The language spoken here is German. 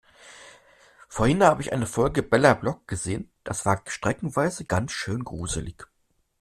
Vorhin habe ich eine Folge Bella Block gesehen, das war streckenweise ganz schön gruselig.